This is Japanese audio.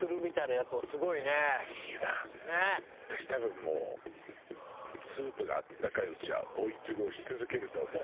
私多分もうスープがあったかいうちは追いトゥルをし続けると思う。